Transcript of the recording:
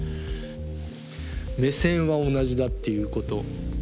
目線は同じだっていうこと。